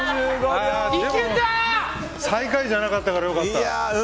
最下位じゃなかったからよかった。